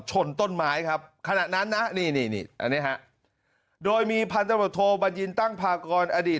ชนต้นไม้ครับขณะนั้นนะนี่นี่อันนี้ฮะโดยมีพันธบทโทบัญญินตั้งพากรอดีต